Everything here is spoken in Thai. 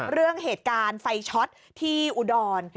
เรื่องเหตุการณ์ไฟช็อตที่อุดร